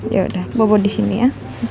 yaudah bobo disini ya